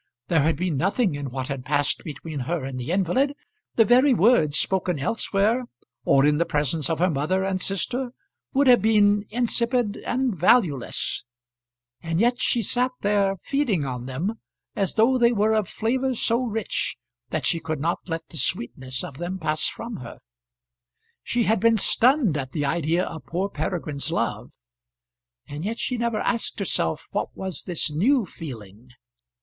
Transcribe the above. There had been nothing in what had passed between her and the invalid. The very words, spoken elsewhere, or in the presence of her mother and sister, would have been insipid and valueless; and yet she sat there feeding on them as though they were of flavour so rich that she could not let the sweetness of them pass from her. She had been stunned at the idea of poor Peregrine's love, and yet she never asked herself what was this new feeling.